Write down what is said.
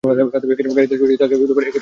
গাড়িতে শশী তাহাকে এই কথাই জিজ্ঞাসা করিল।